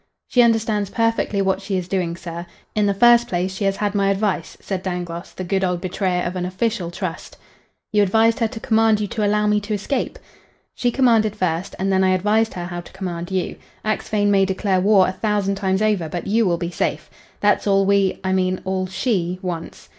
"She understands perfectly what she is doing, sir. In the first place, she has had my advice," said Dangloss, the good old betrayer of an official trust. "You advised her to command you to allow me to escape?" "She commanded first, and then I advised her how to command you. Axphain may declare war a thousand times over, but you will be safe. That's all we I mean, all she wants."